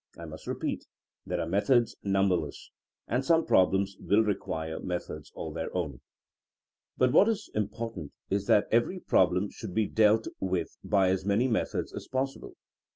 I must repeat: there are methods numberless, and some problems will require methods all their own. But what is important is that every problem 40 THINEINO AS A SCIENCE should be dealt with by as many methods as pos sible.